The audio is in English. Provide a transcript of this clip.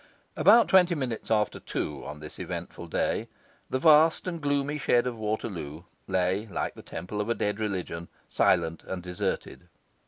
About twenty minutes after two, on this eventful day, the vast and gloomy shed of Waterloo lay, like the temple of a dead religion, silent and deserted.